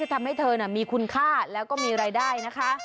ทำให้เธอมีคุณค่าแล้วก็มีรายได้นะคะ